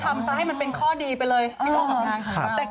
ก็ทำซะให้มันเป็นข้อดีไปเลยที่กล้องการทางค่ะ